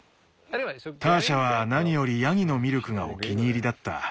ターシャは何よりヤギのミルクがお気に入りだった。